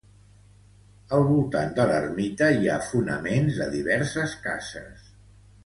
Al voltant de l'ermita hi ha fonaments de diverses cases.